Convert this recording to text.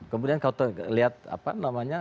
kemudian kalau terlihat apa namanya